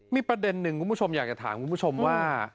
มีประเด็นหนึ่งคุณผู้ชมอยากจะถามคุณผู้ชมว่า